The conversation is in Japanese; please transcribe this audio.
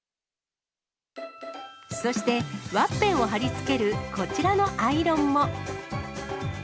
そして、ワッペンを貼り付けるこちらのアイロンも。